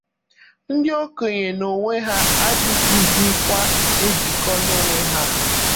Ndị okenye n'onwe ha adịghịzịkwa ejikọlo onwe ha